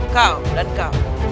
kau dan kau